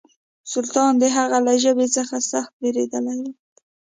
سلطان د هغه له ژبې څخه سخت بېرېدلی و.